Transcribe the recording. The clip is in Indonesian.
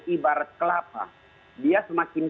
ibarat kelapa dia semakin